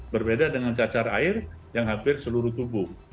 berbeda dengan cacar air yang hampir seluruh tubuh